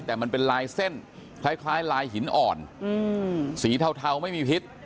แต่มันเป็นลายเส้นคล้ายลายหินอ่อนสีเทาไม่มีพิษ